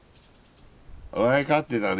前飼ってたね